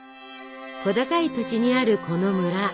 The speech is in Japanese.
小高い土地にあるこの村。